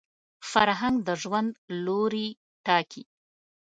فرهنګ د ژوند لوري ټاکي